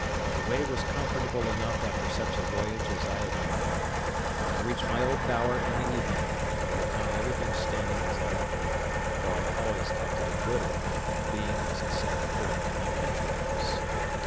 The way was comfortable enough after such a voyage as I had been upon, and I reached my old bower in the evening, where I found everything standing as I left it; for I always kept it in good order, being, as I said before, my country house.